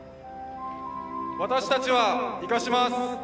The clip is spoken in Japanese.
私たちは活かします。